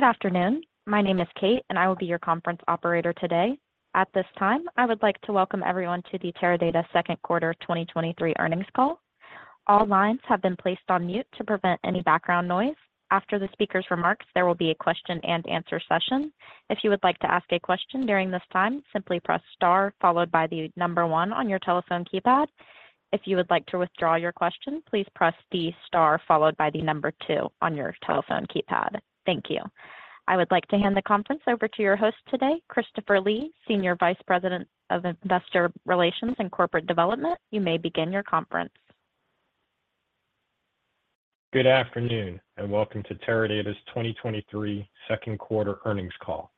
Good afternoon. My name is Kate, and I will be your conference operator today. At this time, I would like to welcome everyone to the Teradata Q2 2023 Earnings Call. All lines have been placed on mute to prevent any background noise. After the speaker's remarks, there will be a question and answer session. If you would like to ask a question during this time, simply press star followed by 1 on your telephone keypad. If you would like to withdraw your question, please press the star followed by two on your telephone keypad. Thank you. I would like to hand the conference over to your host today, Christopher Lee, Senior Vice President of Investor Relations and Corporate Development. You may begin your conference. Good afternoon, welcome to Teradata's 2023 QE Earnings Call.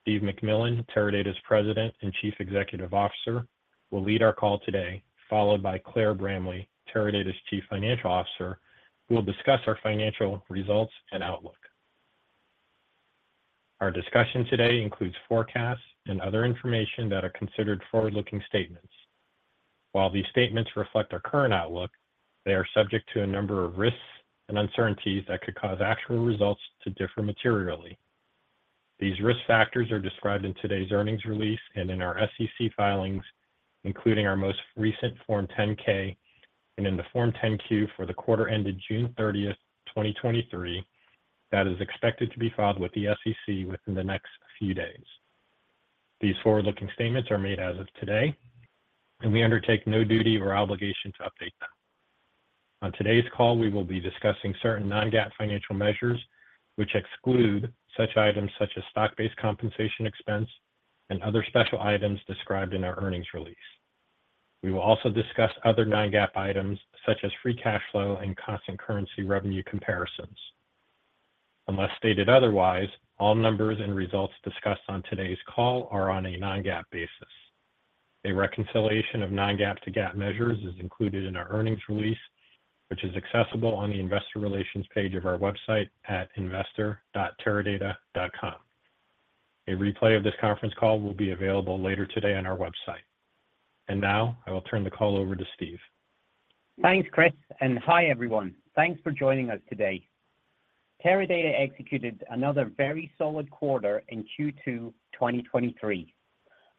Steve McMillan, Teradata's President and Chief Executive Officer, will lead our call today, followed by Claire Bramley, Teradata's Chief Financial Officer, who will discuss our financial results and outlook. Our discussion today includes forecasts and other information that are considered forward-looking statements. While these statements reflect our current outlook, they are subject to a number of risks and uncertainties that could cause actual results to differ materially. These risk factors are described in today's earnings release and in our SEC filings, including our most recent Form 10-K and in the Form 10-Q for the quarter ended June 30, 2023, that is expected to be filed with the SEC within the next few days. These forward-looking statements are made as of today, we undertake no duty or obligation to update them. On today's call, we will be discussing certain non-GAAP financial measures, which exclude such items such as stock-based compensation expense and other special items described in our earnings release. We will also discuss other non-GAAP items such as free cash flow and constant currency revenue comparisons. Unless stated otherwise, all numbers and results discussed on today's call are on a non-GAAP basis. A reconciliation of non-GAAP to GAAP measures is included in our earnings release, which is accessible on the investor relations page of our website at investor.teradata.com. A replay of this conference call will be available later today on our website. Now, I will turn the call over to Steve. Thanks, Chris. Hi, everyone. Thanks for joining us today. Teradata executed another very solid quarter in Q2 2023.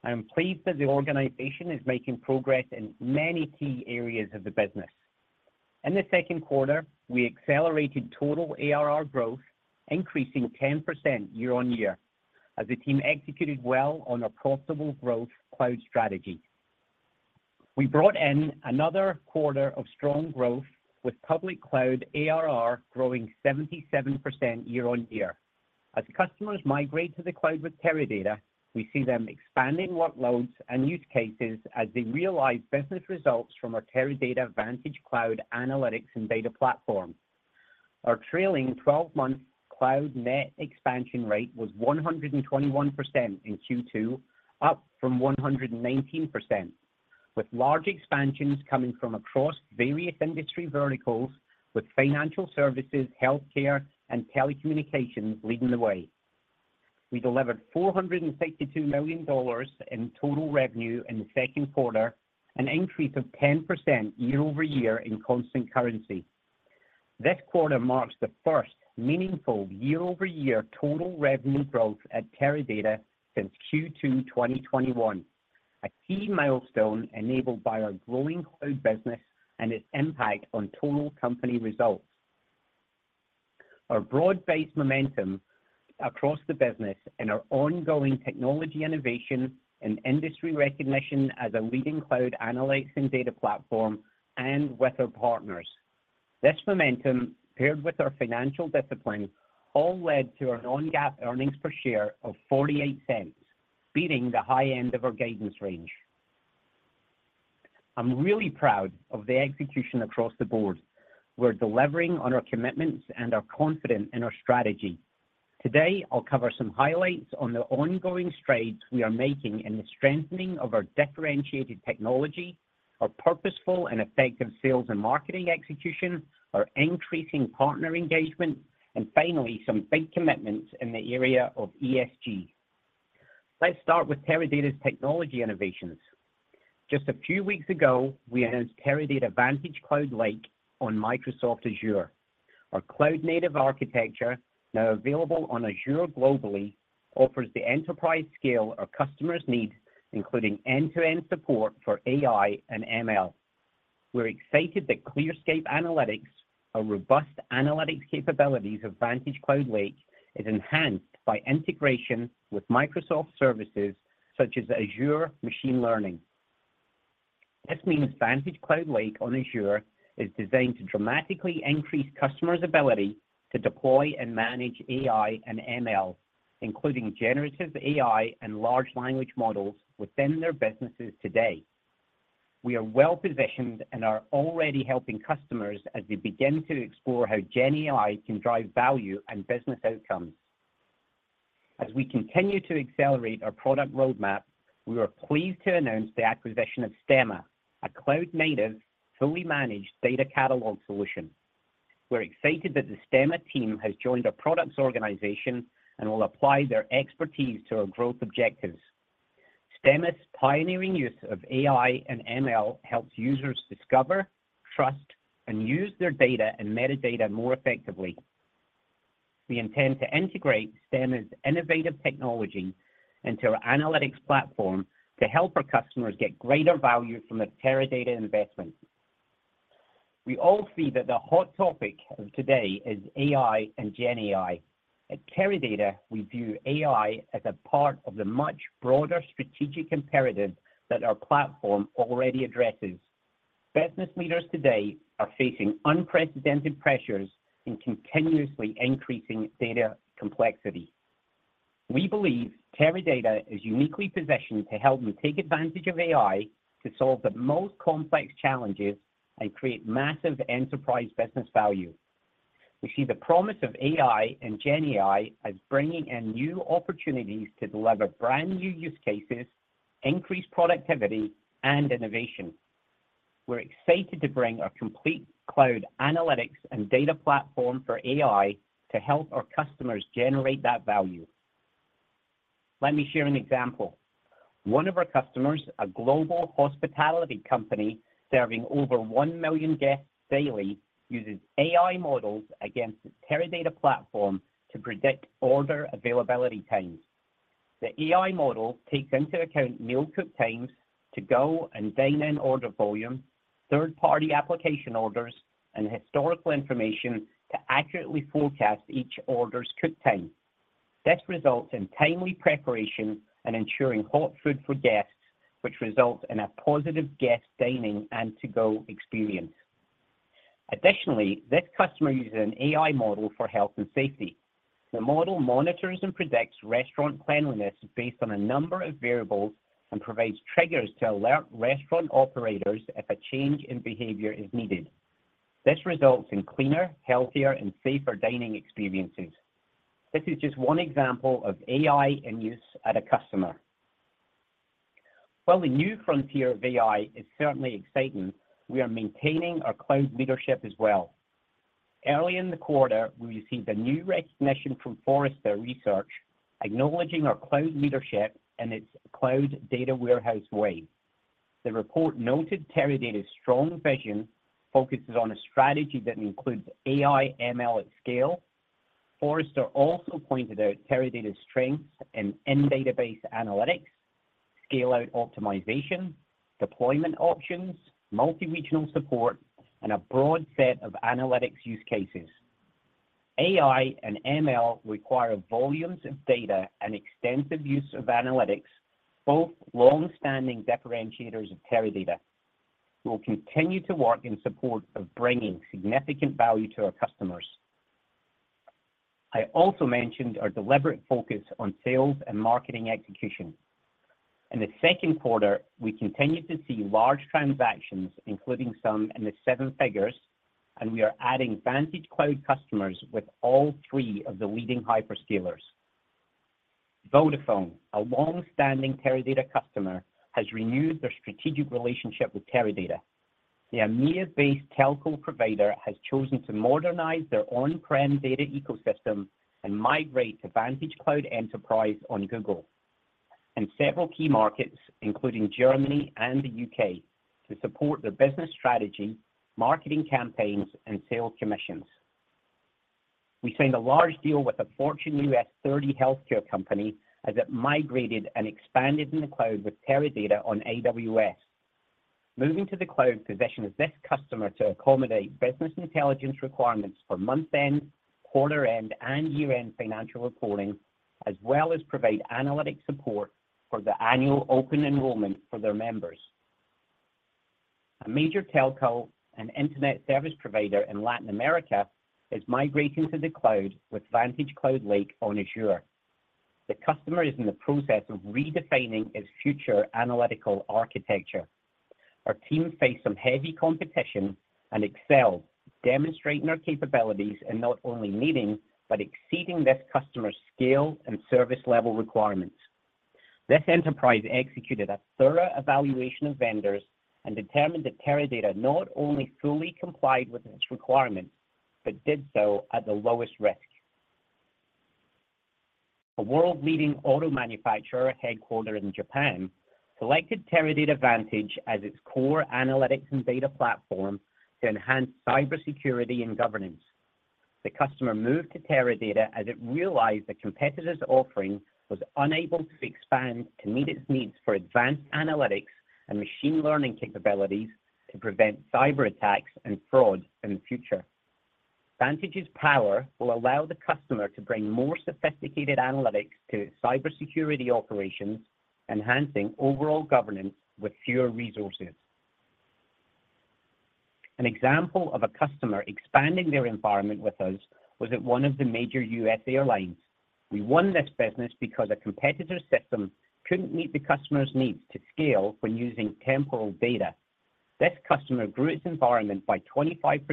I am pleased that the organization is making progress in many key areas of the business. In the Q2, we accelerated total ARR growth, increasing 10% year-on-year, as the team executed well on our profitable growth cloud strategy. We brought in another quarter of strong growth with public cloud ARR growing 77% year-on-year. As customers migrate to the cloud with Teradata, we see them expanding workloads and use cases as they realize business results from our Teradata VantageCloud analytics and data platform. Our trailing twelve-month cloud net expansion rate was 121% in Q2, up from 119%, with large expansions coming from across various industry verticals, with financial services, healthcare, and telecommunications leading the way. We delivered $452 million in total revenue in the Q2, an increase of 10% year-over-year in constant currency. This quarter marks the first meaningful year-over-year total revenue growth at Teradata since Q2 2021, a key milestone enabled by our growing cloud business and its impact on total company results. Our broad-based momentum across the business and our ongoing technology innovation and industry recognition as a leading cloud analytics and data platform and with our partners. This momentum, paired with our financial discipline, all led to our non-GAAP earnings per share of $0.48, beating the high end of our guidance range. I'm really proud of the execution across the board. We're delivering on our commitments and are confident in our strategy. Today, I'll cover some highlights on the ongoing strides we are making in the strengthening of our differentiated technology, our purposeful and effective sales and marketing execution, our increasing partner engagement, and finally, some big commitments in the area of ESG. Let's start with Teradata's technology innovations. Just a few weeks ago, we announced Teradata VantageCloud Lake on Microsoft Azure. Our cloud-native architecture, now available on Azure globally, offers the enterprise scale our customers need, including end-to-end support for AI and ML. We're excited that ClearScape Analytics, our robust analytics capabilities of VantageCloud Lake, is enhanced by integration with Microsoft services such as Azure Machine Learning. This means VantageCloud Lake on Azure is designed to dramatically increase customers' ability to deploy and manage AI and ML, including generative AI and large language models within their businesses today. We are well-positioned and are already helping customers as they begin to explore how GenAI can drive value and business outcomes. As we continue to accelerate our product roadmap, we are pleased to announce the acquisition of Stemma, a cloud-native, fully managed data catalog solution. We're excited that the Stemma team has joined our products organization and will apply their expertise to our growth objectives. Stemma's pioneering use of AI and ML helps users discover, trust, and use their data and metadata more effectively. We intend to integrate Stemma's innovative technology into our analytics platform to help our customers get greater value from their Teradata investment. We all see that the hot topic of today is AI and GenAI. At Teradata, we view AI as a part of the much broader strategic imperative that our platform already addresses. Business leaders today are facing unprecedented pressures in continuously increasing data complexity. We believe Teradata is uniquely positioned to help them take advantage of AI to solve the most complex challenges and create massive enterprise business value. We see the promise of AI and GenAI as bringing in new opportunities to deliver brand-new use cases, increase productivity, and innovation. We're excited to bring our complete cloud analytics and data platform for AI to help our customers generate that value. Let me share an example. One of our customers, a global hospitality company serving over 1 million guests daily, uses AI models against the Teradata platform to predict order availability times. The AI model takes into account meal cook times, to-go and dine-in order volume, third-party application orders, and historical information to accurately forecast each order's cook time. This results in timely preparation and ensuring hot food for guests, which results in a positive guest dining and to-go experience. Additionally, this customer uses an AI model for health and safety. The model monitors and predicts restaurant cleanliness based on a number of variables and provides triggers to alert restaurant operators if a change in behavior is needed. This results in cleaner, healthier, and safer dining experiences. This is just one example of AI in use at a customer. While the new frontier of AI is certainly exciting, we are maintaining our cloud leadership as well. Early in the quarter, we received a new recognition from Forrester Research, acknowledging our cloud leadership and its Cloud Data Warehouses Wave. The report noted Teradata's strong vision focuses on a strategy that includes AI, ML at scale. Forrester also pointed out Teradata's strengths in in-database analytics, scale-out optimization, deployment options, multi-regional support, and a broad set of analytics use cases. AI and ML require volumes of data and extensive use of analytics, both long-standing differentiators of Teradata. We'll continue to work in support of bringing significant value to our customers. I also mentioned our deliberate focus on sales and marketing execution. In the Q2, we continued to see large transactions, including some in the 7 figures. We are adding VantageCloud customers with all three of the leading hyperscalers. Vodafone, a long-standing Teradata customer, has renewed their strategic relationship with Teradata. The EMEA-based telco provider has chosen to modernize their on-prem data ecosystem and migrate to VantageCloud Enterprise on Google, in several key markets, including Germany and the U.K., to support their business strategy, marketing campaigns, and sales commissions. We signed a large deal with a Fortune U.S. 30 healthcare company as it migrated and expanded in the cloud with Teradata on AWS. Moving to the cloud positions this customer to accommodate business intelligence requirements for month-end, quarter-end, and year-end financial reporting, as well as provide analytic support for the annual open enrollment for their members. A major telco and internet service provider in Latin America is migrating to the cloud with VantageCloud Lake on Azure. The customer is in the process of redefining its future analytical architecture. Our team faced some heavy competition and excelled, demonstrating our capabilities in not only meeting but exceeding this customer's scale and service level requirements. This enterprise executed a thorough evaluation of vendors and determined that Teradata not only fully complied with its requirements, but did so at the lowest risk. A world-leading auto manufacturer, headquartered in Japan, selected Teradata Vantage as its core analytics and data platform to enhance cybersecurity and governance. The customer moved to Teradata as it realized the competitor's offering was unable to expand to meet its needs for advanced analytics and machine learning capabilities to prevent cyberattacks and fraud in the future. Vantage's power will allow the customer to bring more sophisticated analytics to its cybersecurity operations, enhancing overall governance with fewer resources. An example of a customer expanding their environment with us was at one of the major U.S. airlines. We won this business because a competitor's system couldn't meet the customer's needs to scale when using temporal data. This customer grew its environment by 25%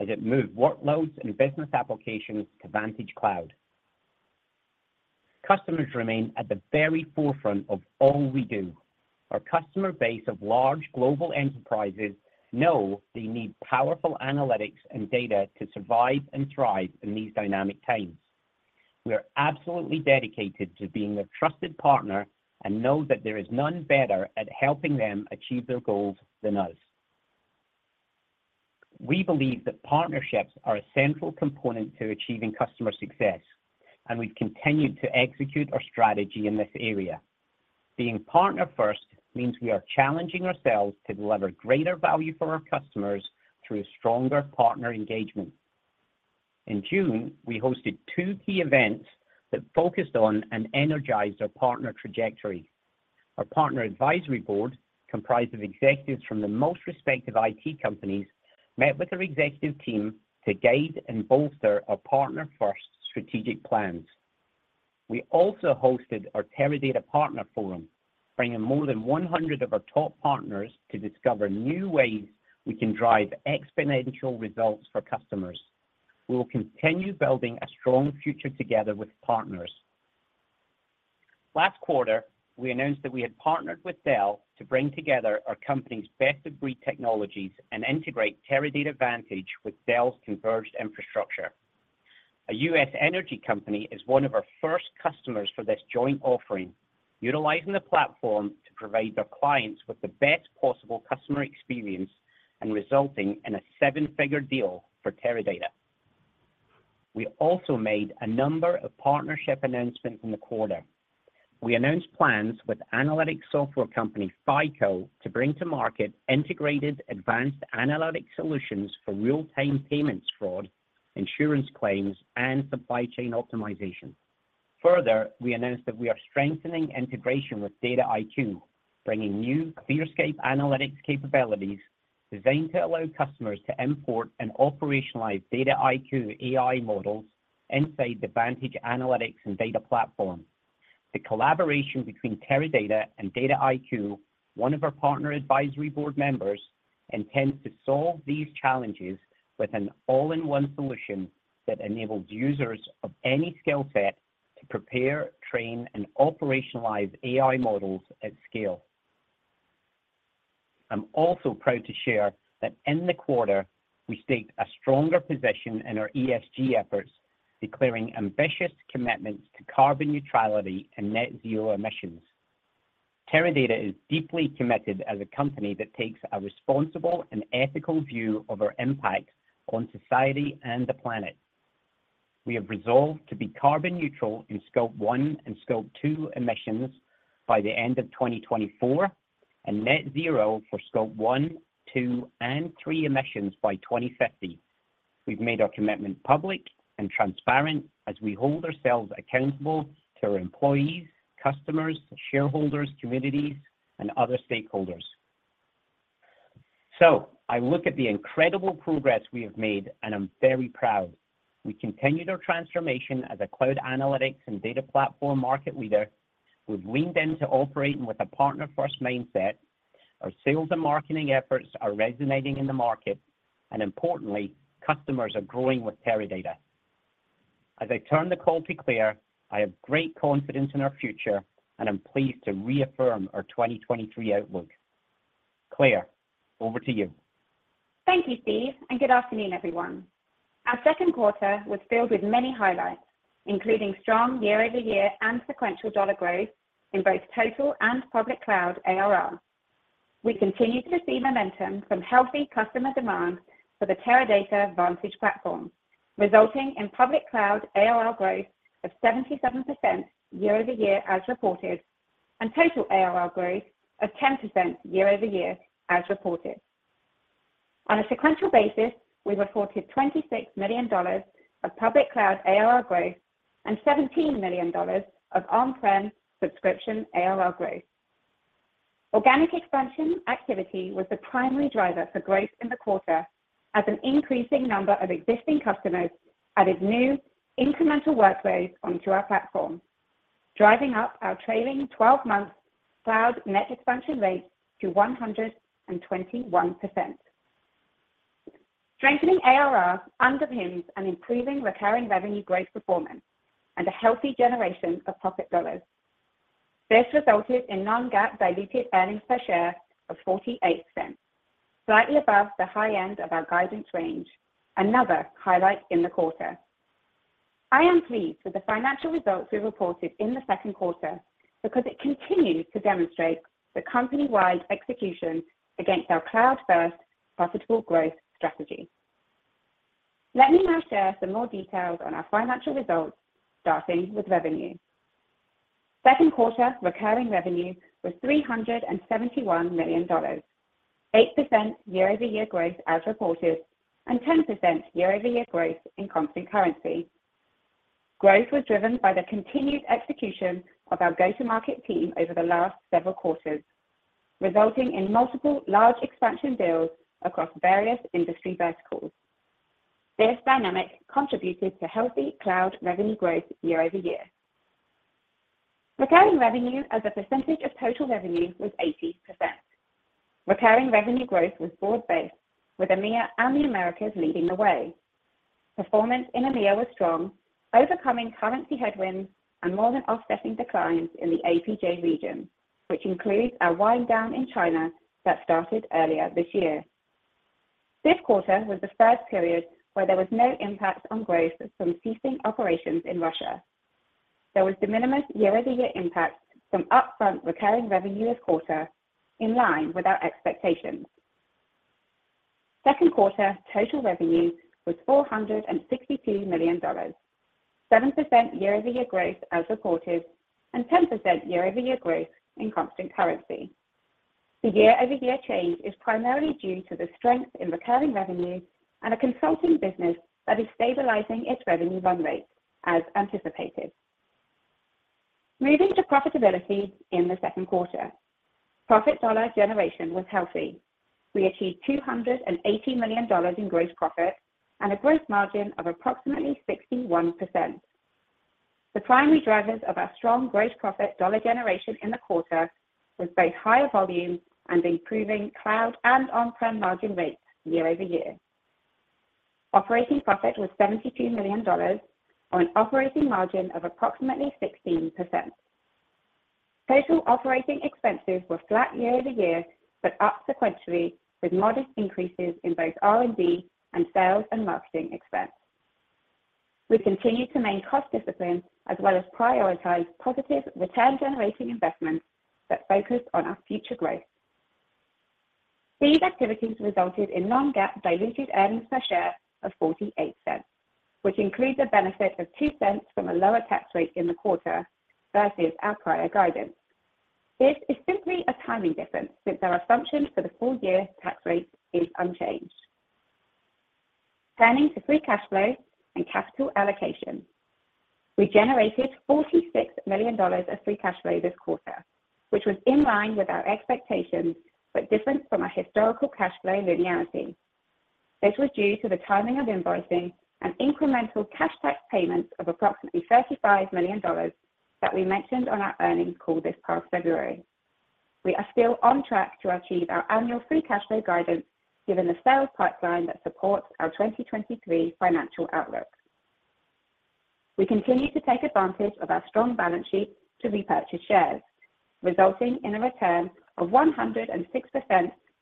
as it moved workloads and business applications to VantageCloud. Customers remain at the very forefront of all we do.... Our customer base of large global enterprises know they need powerful analytics and data to survive and thrive in these dynamic times. We are absolutely dedicated to being a trusted partner and know that there is none better at helping them achieve their goals than us. We believe that partnerships are a central component to achieving customer success, and we've continued to execute our strategy in this area. Being partner first means we are challenging ourselves to deliver greater value for our customers through stronger partner engagement. In June, we hosted two key events that focused on and energized our partner trajectory. Our partner advisory board, comprised of executives from the most respected IT companies, met with our executive team to guide and bolster our partner-first strategic plans. We also hosted our Teradata Partner Forum, bringing more than 100 of our top partners to discover new ways we can drive exponential results for customers. We will continue building a strong future together with partners. Last quarter, we announced that we had partnered with Dell to bring together our company's best-of-breed technologies and integrate Teradata Vantage with Dell's converged infrastructure. A U.S. energy company is one of our first customers for this joint offering, utilizing the platform to provide their clients with the best possible customer experience and resulting in a $7-figure deal for Teradata. We also made a number of partnership announcements in the quarter. We announced plans with analytics software company, FICO, to bring to market integrated advanced analytic solutions for real-time payments fraud, insurance claims, and supply chain optimization. Further, we announced that we are strengthening integration with Dataiku, bringing new ClearScape Analytics capabilities designed to allow customers to import and operationalize Dataiku AI models inside the Vantage Analytics and Data Platform. The collaboration between Teradata and Dataiku, one of our partner advisory board members, intends to solve these challenges with an all-in-one solution that enables users of any skill set to prepare, train, and operationalize AI models at scale. I'm also proud to share that in the quarter, we staked a stronger position in our ESG efforts, declaring ambitious commitments to carbon neutrality and net zero emissions. Teradata is deeply committed as a company that takes a responsible and ethical view of our impact on society and the planet. We have resolved to be carbon neutral in Scope 1 and Scope 2 emissions by the end of 2024, and net zero for Scope 1, 2, and 3 emissions by 2050. We've made our commitment public and transparent as we hold ourselves accountable to our employees, customers, shareholders, communities, and other stakeholders. I look at the incredible progress we have made, and I'm very proud. We continued our transformation as a cloud analytics and data platform market leader. We've leaned in to operating with a partner-first mindset. Our sales and marketing efforts are resonating in the market, and importantly, customers are growing with Teradata. As I turn the call to Claire, I have great confidence in our future, and I'm pleased to reaffirm our 2023 outlook. Claire, over to you. Thank you, Steve. Good afternoon, everyone. Our Q2 was filled with many highlights, including strong year-over-year and sequential dollar growth in both total and public cloud ARR. We continue to see momentum from healthy customer demand for the Teradata Vantage platform, resulting in public cloud ARR growth of 77% year-over-year as reported, and total ARR growth of 10% year-over-year as reported. On a sequential basis, we reported $26 million of public cloud ARR growth and $17 million of on-prem subscription ARR growth. Organic expansion activity was the primary driver for growth in the quarter as an increasing number of existing customers added new incremental workloads onto our platform, driving up our trailing twelve-month cloud net expansion rate to 121%. Strengthening ARR underpins an improving recurring revenue growth performance and a healthy generation of profit dollars. This resulted in non-GAAP diluted earnings per share of $0.48, slightly above the high end of our guidance range, another highlight in the quarter. I am pleased with the financial results we reported in the Q2 because it continues to demonstrate the company-wide execution against our cloud-first, profitable growth strategy. Let me now share some more details on our financial results, starting with revenue. Q2 recurring revenue was $371 million, 8% year-over-year growth as reported, and 10% year-over-year growth in constant currency. Growth was driven by the continued execution of our go-to-market team over the last several quarters, resulting in multiple large expansion deals across various industry verticals. This dynamic contributed to healthy cloud revenue growth year-over-year. Recurring revenue as a percentage of total revenue was 80%. Recurring revenue growth was broad-based, with EMEA and the Americas leading the way. Performance in EMEA was strong, overcoming currency headwinds and more than offsetting declines in the APJ region, which includes our wind down in China that started earlier this year. This quarter was the first period where there was no impact on growth from ceasing operations in Russia. There was de minimis year-over-year impact from upfront recurring revenue this quarter, in line with our expectations. Q2 total revenue was $462 million, 7% year-over-year growth as reported, and 10% year-over-year growth in constant currency. The year-over-year change is primarily due to the strength in recurring revenue and a consulting business that is stabilizing its revenue run rate, as anticipated. Moving to profitability in the Q2. Profit dollar generation was healthy. We achieved $280 million in gross profit and a gross margin of approximately 61%. The primary drivers of our strong gross profit dollar generation in the quarter was both higher volume and improving cloud and on-prem margin rates year-over-year. Operating profit was $72 million on an operating margin of approximately 16%. Total operating expenses were flat year-over-year, up sequentially, with modest increases in both R&D and sales and marketing expense. We continued to maintain cost discipline, as well as prioritize positive return-generating investments that focus on our future growth. These activities resulted in non-GAAP diluted earnings per share of $0.48, which includes a benefit of $0.02 from a lower tax rate in the quarter versus our prior guidance. This is simply a timing difference, since our assumption for the full-year tax rate is unchanged. Turning to free cash flow and capital allocation. We generated $46 million of free cash flow this quarter, which was in line with our expectations but different from our historical cash flow linearity. This was due to the timing of invoicing and incremental cash tax payments of approximately $35 million that we mentioned on our earnings call this past February. We are still on track to achieve our annual free cash flow guidance, given the sales pipeline that supports our 2023 financial outlook. We continue to take advantage of our strong balance sheet to repurchase shares, resulting in a return of 106%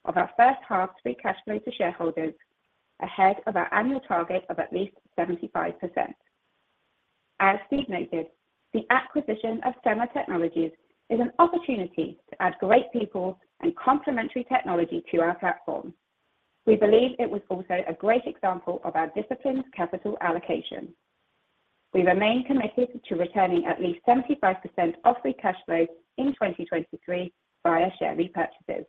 of our first half free cash flow to shareholders, ahead of our annual target of at least 75%. As Steve noted, the acquisition of Stemma Technologies is an opportunity to add great people and complementary technology to our platform. We believe it was also a great example of our disciplined capital allocation. We remain committed to returning at least 75% of free cash flow in 2023 via share repurchases.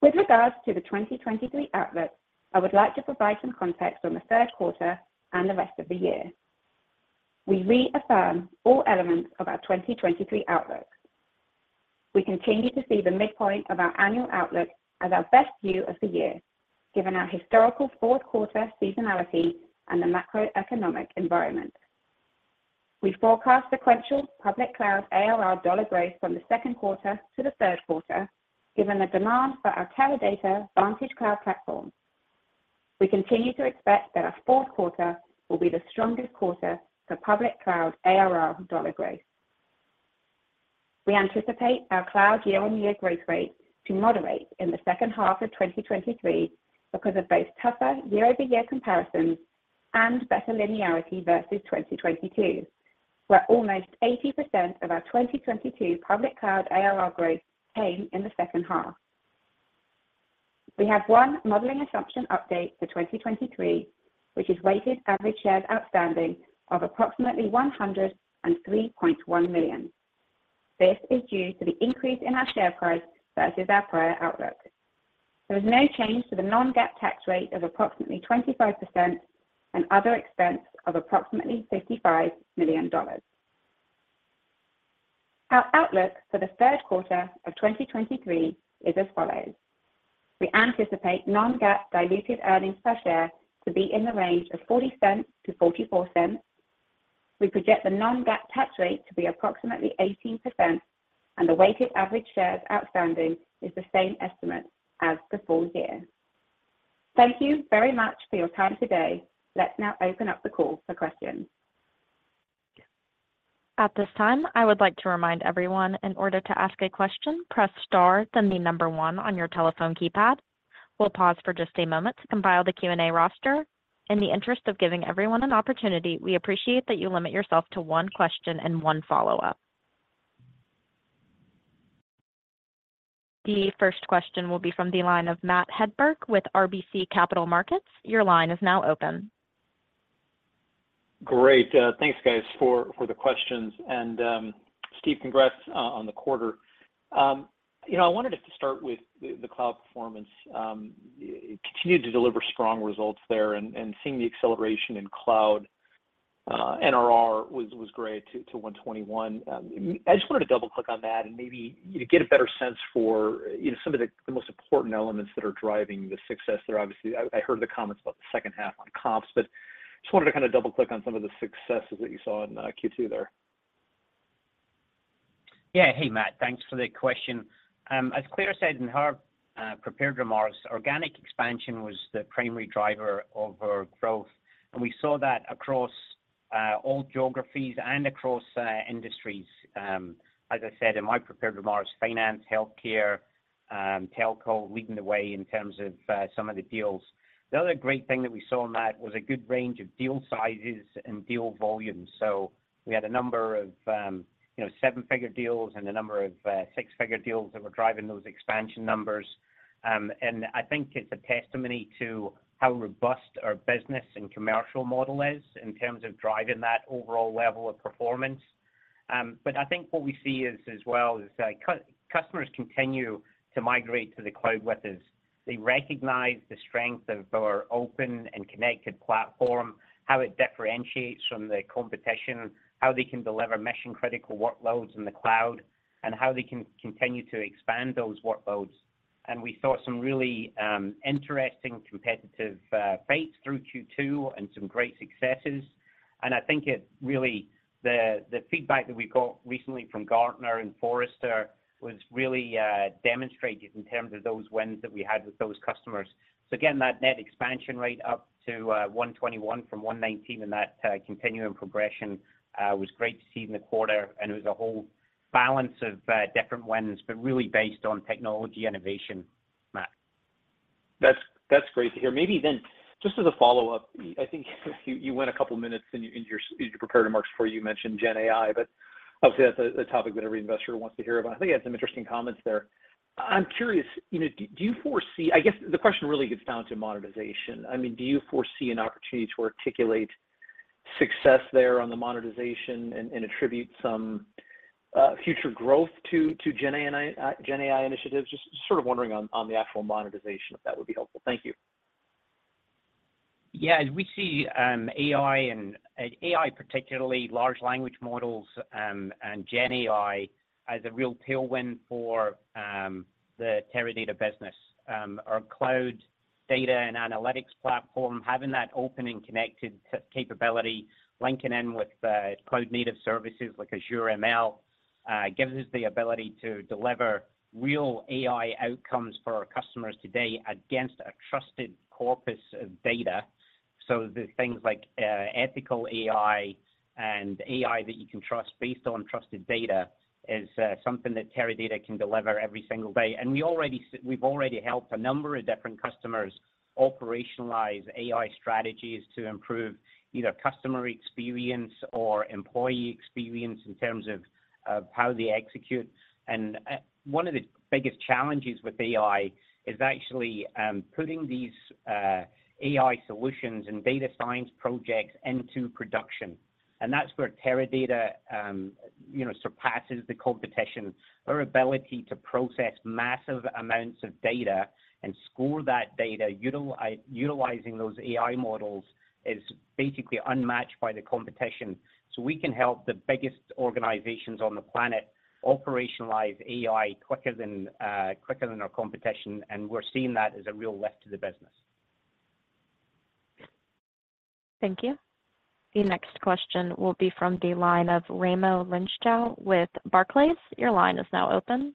With regards to the 2023 outlook, I would like to provide some context on the Q3 and the rest of the year. We reaffirm all elements of our 2023 outlook. We continue to see the midpoint of our annual outlook as our best view of the year, given our historical Q4 seasonality and the macroeconomic environment. We forecast sequential public cloud ARR dollar growth from the Q2 to the Q3, given the demand for our Teradata VantageCloud platform. We continue to expect that our Q4 will be the strongest quarter for public cloud ARR dollar growth. We anticipate our cloud year-on-year growth rate to moderate in the second half of 2023 because of both tougher year-over-year comparisons and better linearity versus 2022, where almost 80% of our 2022 public cloud ARR growth came in the second half. We have 1 modeling assumption update for 2023, which is weighted average shares outstanding of approximately 103.1 million. This is due to the increase in our share price versus our prior outlook. There was no change to the non-GAAP tax rate of approximately 25% and other expense of approximately $55 million. Our outlook for the Q3 of 2023 is as follows: We anticipate non-GAAP diluted earnings per share to be in the range of $0.40 to 0.44. We project the non-GAAP tax rate to be approximately 18%, and the weighted average shares outstanding is the same estimate as the full year. Thank you very much for your time today. Let's now open up the call for questions. At this time, I would like to remind everyone, in order to ask a question, press star, then the number 1 on your telephone keypad. We'll pause for just a moment to compile the Q&A roster. In the interest of giving everyone an opportunity, we appreciate that you limit yourself to 1 question and 1 follow-up. The first question will be from the line of Matt Hedberg with RBC Capital Markets. Your line is now open. Great. thanks, guys, for, for the questions. Steve, congrats on the quarter. you know, I wanted to start with the, the cloud performance. you continued to deliver strong results there, and, and seeing the acceleration in cloud, NRR was, was great to, to 121. I just wanted to double-click on that and maybe, you know, get a better sense for, you know, some of the, the most important elements that are driving the success there. Obviously, I, I heard the comments about the second half on comps, but-... Just wanted to kind of double-click on some of the successes that you saw in Q2 there. Yeah. Hey, Matt, thanks for the question. As Claire said in her prepared remarks, organic expansion was the primary driver of our growth, and we saw that across all geographies and across industries. As I said in my prepared remarks, finance, healthcare, telco leading the way in terms of some of the deals. The other great thing that we saw, Matt, was a good range of deal sizes and deal volumes. We had a number of, you know, seven-figure deals and a number of six-figure deals that were driving those expansion numbers. I think it's a testimony to how robust our business and commercial model is in terms of driving that overall level of performance. I think what we see is, as well, is that customers continue to migrate to the cloud with us. They recognize the strength of our open and connected platform, how it differentiates from the competition, how they can deliver mission-critical workloads in the cloud, and how they can continue to expand those workloads. We saw some really interesting competitive fates through Q2 and some great successes. I think it really the, the feedback that we got recently from Gartner and Forrester was really demonstrated in terms of those wins that we had with those customers. Again, that net expansion rate up to 121% from 119%, and that continuing progression was great to see in the quarter, and it was a whole balance of different wins, but really based on technology innovation, Matt. That's, that's great to hear. Maybe, just as a follow-up, I think you, you went a couple of minutes in your, in your prepared remarks before you mentioned GenAI, but obviously, that's a, a topic that every investor wants to hear about. I think you had some interesting comments there. I'm curious, you know, do, do you foresee... I guess the question really gets down to monetization. I mean, do you foresee an opportunity to articulate success there on the monetization and, and attribute some future growth to, to GenAI, GenAI initiatives? Just sort of wondering on, on the actual monetization, if that would be helpful. Thank you. Yeah, as we see, AI and AI, particularly large language models, and GenAI as a real tailwind for the Teradata business. Our cloud data and analytics platform, having that open and connected capability, linking in with cloud-native services like Azure ML, gives us the ability to deliver real AI outcomes for our customers today against a trusted corpus of data. The things like ethical AI and AI that you can trust based on trusted data is something that Teradata can deliver every single day. We already we've already helped a number of different customers operationalize AI strategies to improve either customer experience or employee experience in terms of, of how they execute. One of the biggest challenges with AI is actually, you know, putting these AI solutions and data science projects into production, and that's where Teradata surpasses the competition. Our ability to process massive amounts of data and score that data, utilizing those AI models, is basically unmatched by the competition. We can help the biggest organizations on the planet operationalize AI quicker than quicker than our competition, and we're seeing that as a real lift to the business. Thank you. The next question will be from the line of Raimo Lenschow with Barclays. Your line is now open.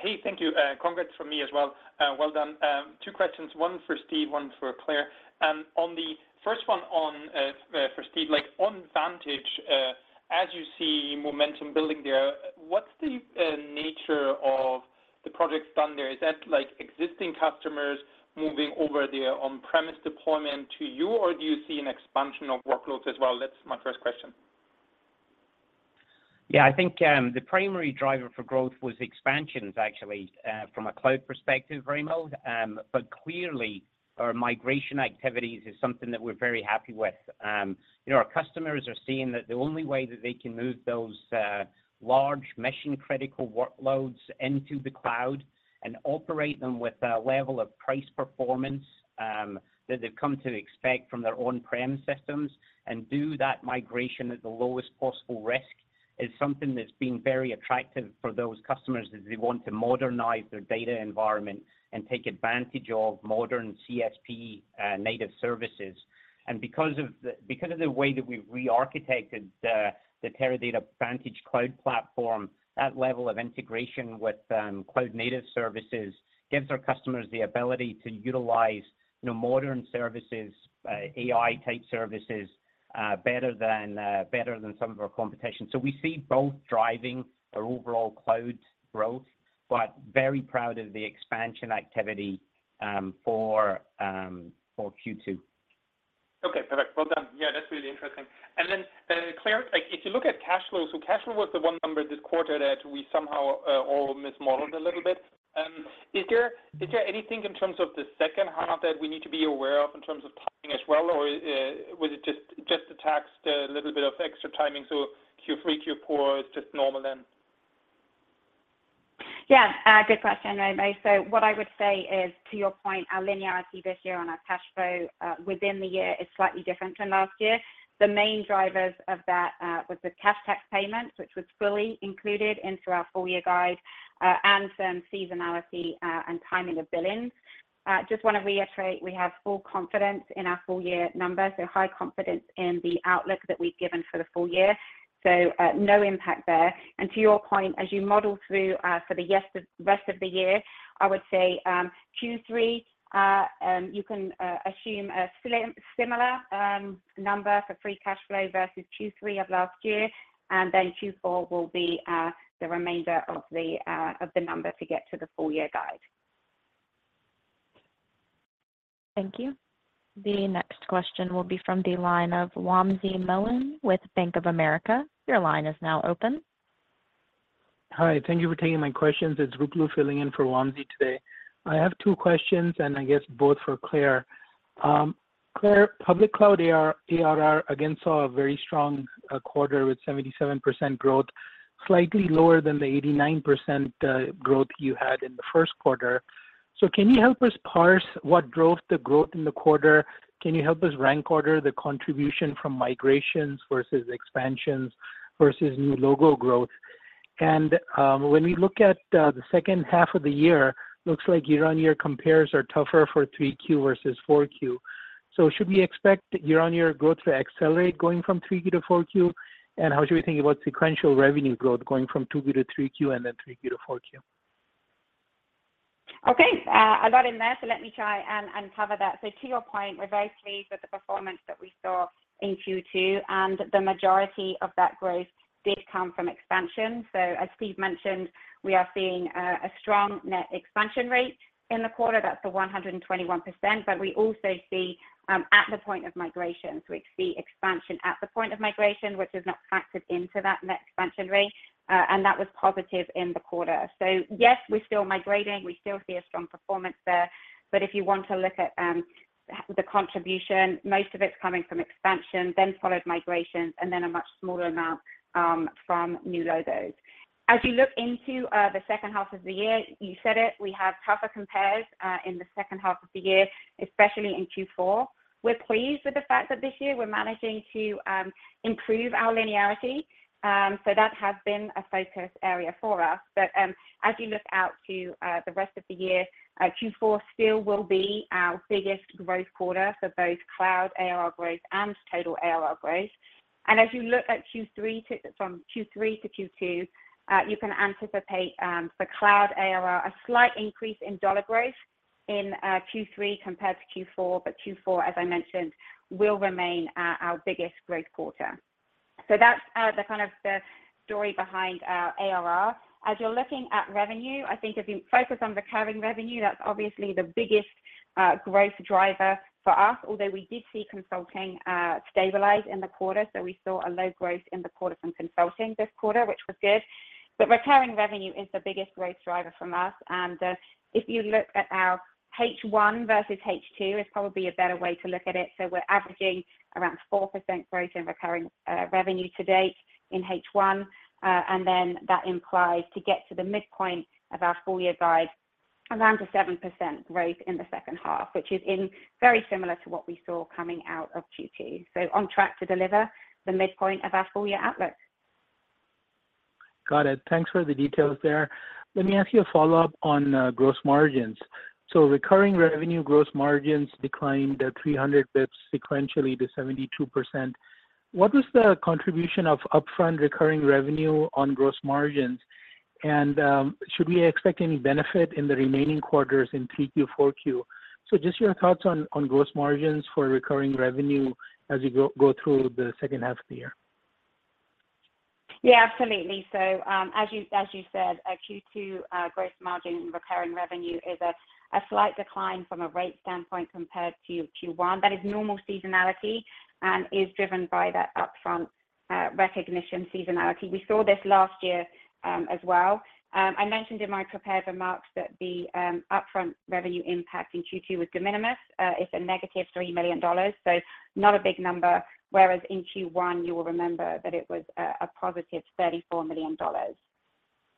Hey, thank you. Congrats from me as well. Well done. Two questions. 1 for Steve, 1 for Claire. On the first 1 on, for Steve, like, on Vantage, as you see momentum building there, what's the nature of the projects done there? Is that, like, existing customers moving over their on-premise deployment to you, or do you see an expansion of workloads as well? That's my first question. Yeah, I think, the primary driver for growth was expansions, actually, from a cloud perspective, Raimo. Clearly, our migration activities is something that we're very happy with. You know, our customers are seeing that the only way that they can move those, large mission-critical workloads into the cloud and operate them with a level of price performance, that they've come to expect from their on-prem systems, and do that migration at the lowest possible risk, is something that's been very attractive for those customers as they want to modernize their data environment and take advantage of modern CSP native services. Because of the, because of the way that we've rearchitected the Teradata VantageCloud, that level of integration with cloud-native services gives our customers the ability to utilize, you know, modern services, AI-type services, better than, better than some of our competition. We see both driving our overall cloud growth, but very proud of the expansion activity for Q2. Okay, perfect. Well done. Yeah, that's really interesting. Then, then, Claire, like, if you look at cash flow, so cash flow was the one number this quarter that we somehow all mismodeled a little bit. Is there, is there anything in terms of the second half that we need to be aware of in terms of timing as well, or was it just, just the tax, the little bit of extra timing, so Q3, Q4 is just normal then? Yeah, good question, Raimo. What I would say is, to your point, our linearity this year on our cash flow, within the year is slightly different than last year. The main drivers of that, was the cash tax payment, which was fully included into our full-year guide, and some seasonality, and timing of billings.... just wanna reiterate, we have full confidence in our full year numbers, so high confidence in the outlook that we've given for the full year, so no impact there. To your point, as you model through for the rest of the year, I would say Q3, you can assume a similar number for free cash flow versus Q3 of last year, and then Q4 will be the remainder of the number to get to the full year guide. Thank you. The next question will be from the line of Wamsi Mohan with Bank of America. Your line is now open. Hi, thank you for taking my questions. It's Ruplu filling in for Wamsi today. I have two questions, I guess both for Claire. Claire, public cloud ARR, ARR again, saw a very strong quarter with 77% growth, slightly lower than the 89% growth you had in the 1Q. Can you help us parse what drove the growth in the quarter? Can you help us rank order the contribution from migrations versus expansions versus new logo growth? When we look at the 2nd half of the year, looks like year-on-year compares are tougher for 3Q versus 4Q. Should we expect year-on-year growth to accelerate going from 3Q to 4Q? How should we think about sequential revenue growth going from 2Q to 3Q and then 3Q to 4Q? Okay, a lot in there, let me try and cover that. To your point, we're very pleased with the performance that we saw in Q2, and the majority of that growth did come from expansion. As Steve mentioned, we are seeing a strong net expansion rate in the quarter. That's the 121%, but we also see at the point of migration. We see expansion at the point of migration, which is not factored into that net expansion rate, and that was positive in the quarter. Yes, we're still migrating, we still see a strong performance there, but if you want to look at the contribution, most of it's coming from expansion, then followed migrations, and then a much smaller amount from new logos. As you look into the second half of the year, you said it, we have tougher compares in the second half of the year, especially in Q4. We're pleased with the fact that this year we're managing to improve our linearity. That has been a focus area for us. As you look out to the rest of the year, Q4 still will be our biggest growth quarter for both cloud ARR growth and total ARR growth. As you look from Q3 to Q2, you can anticipate for cloud ARR, a slight increase in dollar growth in Q3 compared to Q4. Q4, as I mentioned, will remain our biggest growth quarter. That's the kind of the story behind our ARR. As you're looking at revenue, I think if you focus on recurring revenue, that's obviously the biggest growth driver for us, although we did see consulting stabilize in the quarter. We saw a low growth in the quarter from consulting this quarter, which was good. Recurring revenue is the biggest growth driver from us, and if you look at our H1 versus H2, is probably a better way to look at it. We're averaging around 4% growth in recurring revenue to date in H1, and then that implies to get to the midpoint of our full year guide, around a 7% growth in the second half, which is in very similar to what we saw coming out of Q2. On track to deliver the midpoint of our full year outlook. Got it. Thanks for the details there. Let me ask you a follow-up on gross margins. Recurring revenue gross margins declined 300 basis points sequentially to 72%. What was the contribution of upfront recurring revenue on gross margins? Should we expect any benefit in the remaining quarters in 3Q, 4Q? Just your thoughts on gross margins for recurring revenue as you go, go through the second half of the year. Yeah, absolutely. As you, as you said, Q2, gross margin recurring revenue is a, a slight decline from a rate standpoint compared to Q1. That is normal seasonality and is driven by that upfront recognition seasonality. We saw this last year as well. I mentioned in my prepared remarks that the upfront revenue impact in Q2 was de minimis. It's a negative $3 million, so not a big number, whereas in Q1, you will remember that it was a positive $34 million.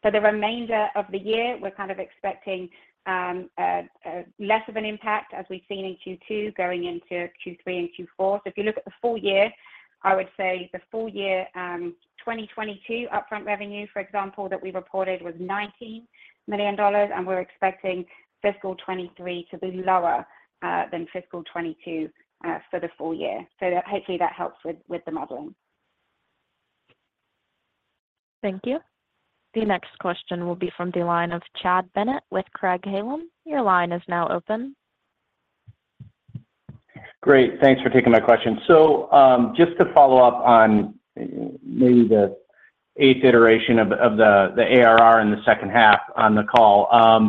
For the remainder of the year, we're kind of expecting less of an impact as we've seen in Q2, going into Q3 and Q4. If you look at the full year, I would say the full year, 2022 upfront revenue, for example, that we reported was $19 million, and we're expecting fiscal 2023 to be lower, than fiscal 2022, for the full year. Hopefully that helps with, with the modeling. Thank you. The next question will be from the line of Chad Bennett with Craig-Hallum. Your line is now open. Great. Thanks for taking my question. Just to follow up on maybe the 8th iteration of, of the, the ARR in the 2nd half on the call.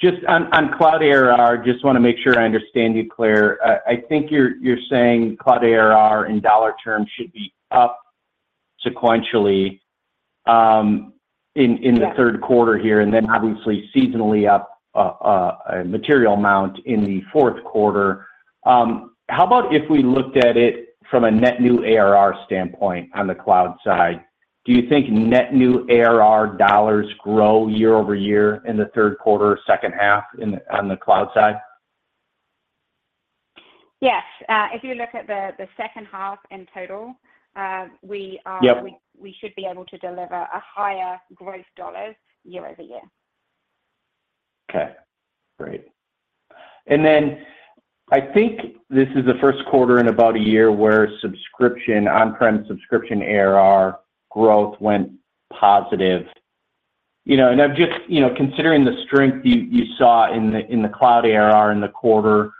Just on, on cloud ARR, just wanna make sure I understand you, Claire. I think you're, you're saying cloud ARR in dollar terms should be up sequentially, in, in... Yes... the Q3 here. Obviously seasonally up, a material amount in the Q4. How about if we looked at it from a net new ARR standpoint on the cloud side? Do you think net new ARR dollars grow year-over-year in the Q3, second half in the, on the cloud side?... Yes, if you look at the, the second half in total, we are- Yep. We should be able to deliver a higher growth dollars year-over-year. Okay, great. Then I think this is the Q1 in about 1 year where subscription, on-prem subscription ARR growth went positive. You know, and I'm just, you know, considering the strength you, you saw in the, in the cloud ARR in the quarter